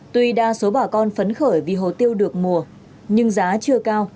tuy đa số bà con phấn khởi vì hồ tiêu được mùa nhưng giá chưa cao